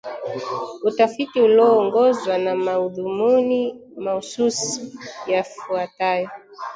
Utafiti uliongozwa na madhumuni mahsusi yafuatayo